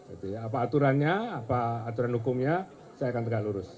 apa aturannya apa aturan hukumnya saya akan tegak lurus